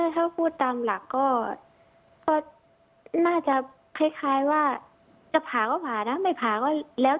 ถ้าพูดตามหลักก็น่าจะคล้ายว่าจะผ่าก็ผ่านะไม่ผ่าก็แล้ว